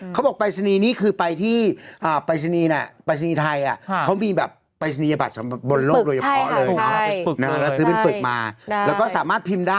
เขาบอกไปรษณีย์นี้คือไปที่ไปรษณีย์นี้นี่